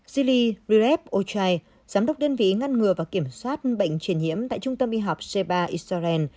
zili rireb ochai giám đốc đơn vị ngăn ngừa và kiểm soát bệnh triển hiểm tại trung tâm y học c ba israel